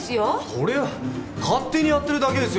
それは勝手にやってるだけですよ。